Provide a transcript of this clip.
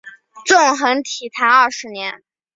纵横体坛二十年。